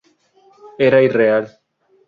Era irreal.